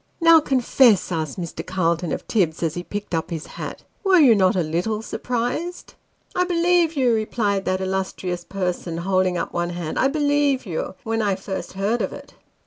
" Now, confess," asked Mr. Calton of Tibbs, as he picked up his hat, " were you not a little surprised ?"" I b'lieve you !" replied that illustrious person, holding up one hand ;" I b'lieve you ! When I first heard of it."